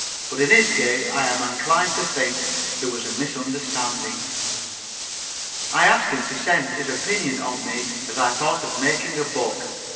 But in his case I am inclined to think there was a misunderstanding. I asked him to send his opinion of me as I thought of making a book.